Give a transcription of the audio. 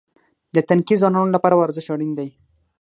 د تنکي ځوانانو لپاره ورزش اړین دی.